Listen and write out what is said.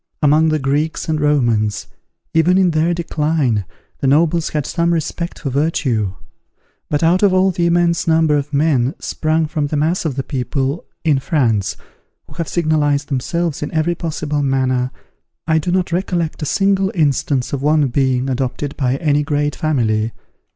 among the Greeks and Romans, even in their decline, the nobles had some respect for virtue; but out of all the immense number of men, sprung from the mass of the people, in France, who have signalized themselves in every possible manner, I do not recollect a single instance of one being adopted by any great family.